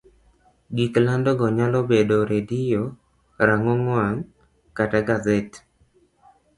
gik lando go nyalo bedo redio, rang'ong wang', kata gaset.